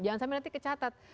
jangan sampai nanti kecatat